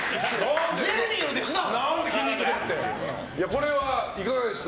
これはいかがでした？